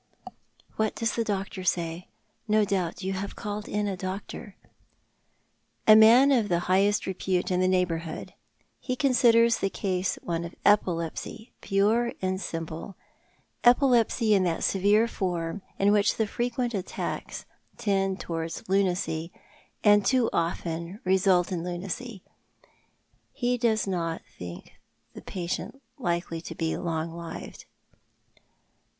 " What docs the doctor say — no doubt you have called in a doctor?" " The man of highest repute in the neighbourhood. He considers the case one of epilepsy, pure and simiDle— epilepsy in that severe form in which the frequent attacks tend towards lunacy, and too often result in lunacy. He does not think the patient likely to be long lived."